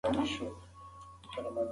زده کوونکي له درسي وسایلو ګټه اخلي.